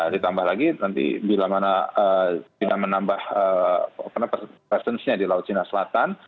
ditambah lagi nanti bila mana china menambah presence nya di laut cina selatan